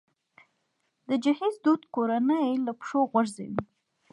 د جهیز دود کورنۍ له پښو غورځوي.